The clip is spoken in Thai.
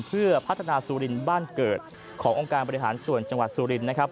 เพื่อพัฒนาสุรินทร์บ้านเกิดขององค์การบริหารส่วนจังหวัดสุรินนะครับ